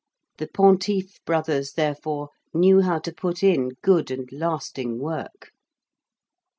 The Pontife Brothers, therefore, knew how to put in good and lasting work.